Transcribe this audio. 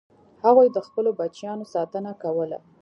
هغوی د خپلو بچیانو ساتنه کوله.